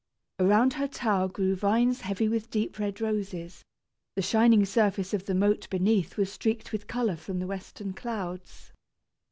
Around her tower grew vines heavy with deep red roses; the shining surface of the moat beneath was streaked with color from the western clouds.